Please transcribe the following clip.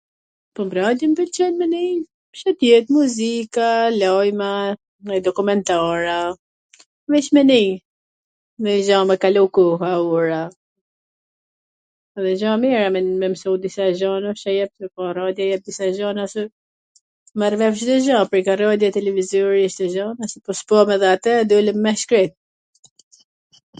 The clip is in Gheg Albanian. Po n radio m pwlqen me nii Ca t jet muzika, lajma, ndonj dokumentar a, veC me nii ndonj gja me kalu koha, ora. A gja e mir me msu disa gjona qw jep radioja disa gjona se merr vesh Cdo gja. Radio e televizori wsht gja..., po s pam edhe atw dolwm me shkrep...